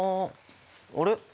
あれ？